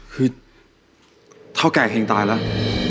คือเท่าแก่เฮงตายแล้ว